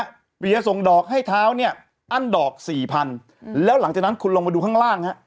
เปียร์ส่งดอกให้เท้าเนี่ยอั้นดอกสี่พันแล้วหลังจากนั้นคุณลงมาดูข้างล่างฮะ